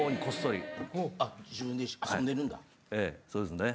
ええそうですね。